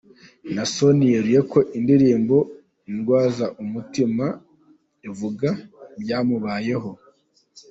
Nasoni yeruye ko indirimbo “Undwaza Umutima” ivuga ibyamubayeho